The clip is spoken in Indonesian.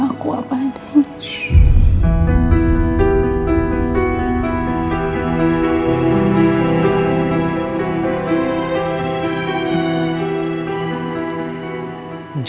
aku ingin berbohong